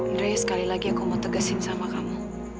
andre sekali lagi aku mau tegasin sama kamu